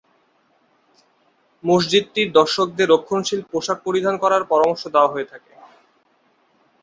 মসজিদটির দর্শকদের রক্ষণশীল পোশাক পরিধান করার পরামর্শ দেওয়া হয়ে থাকে।